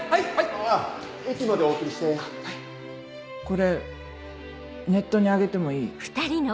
これネットに上げてもいい？